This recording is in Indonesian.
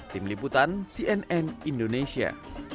tim liputan cnn indonesia